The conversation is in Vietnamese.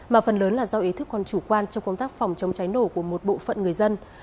mà phần lớn là do ý thức còn chủ quan trong công tác phòng chống cháy nổ của một bộ phận người dân